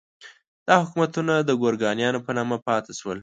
دا حکومتونه د ګورکانیانو په نامه پاتې شول.